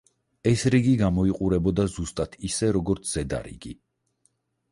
ეს რიგი გამოიყურებოდა ზუსტად ისე, როგორც ზედა რიგი.